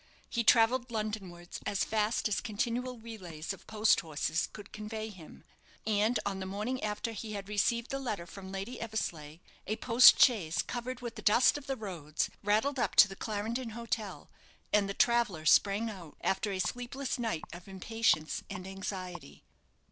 He travelled Londonwards as fast as continual relays of post horses could convey him; and on the morning after he had received the letter from Lady Eversleigh, a post chaise covered with the dust of the roads, rattled up to the Clarendon Hotel, and the traveller sprang out, after a sleepless night of impatience and anxiety.